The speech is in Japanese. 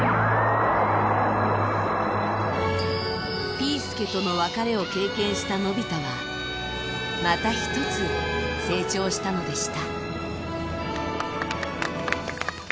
ピー助との別れを経験したのび太はまた１つ成長したのでした。